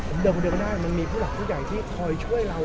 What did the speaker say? ผมเดินคนเดียวก็ได้มันมีผู้หลักผู้ใหญ่ที่คอยช่วยเรา